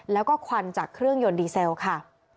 แล้วก็ควันจากเครื่องยนต์ดีเซลค่ะ